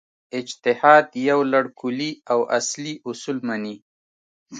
اجتهاد یو لړ کُلي او اصلي اصول مني.